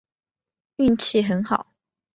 运气很好